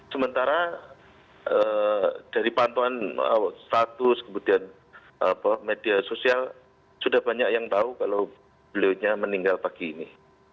sementara dari pantauan status kemudian media sosial sudah banyak yang tahu kalau beliaunya meninggal pagi ini